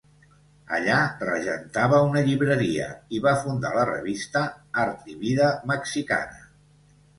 Allà regentava una llibreria i va fundar la revista "Art i vida mexicana".